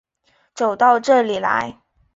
走到这里来